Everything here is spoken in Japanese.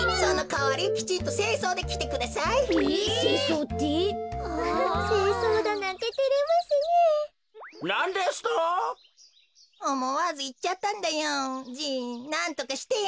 おもわずいっちゃったんだよ。